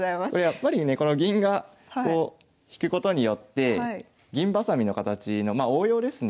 やっぱりねこの銀がこう引くことによって銀ばさみの形のまあ応用ですね。